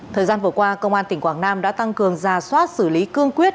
thời gian vừa qua công an tỉnh quảng nam đã tăng cường ra soát xử lý cương quyết